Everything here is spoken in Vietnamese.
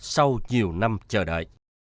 sau nhiều năm chờ đợi